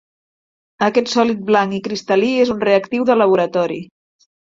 Aquest sòlid blanc i cristal·lí és un reactiu de laboratori.